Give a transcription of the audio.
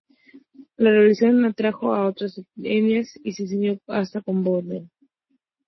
La rebelión atrajo a otras etnias y se extendió hasta Camboya.